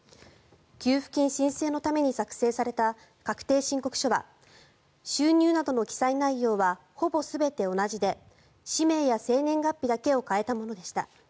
給付金申請のために作成された確定申告書は収入などの記載内容はほぼ全て同じで氏名や生年月日だけを変えたものでした。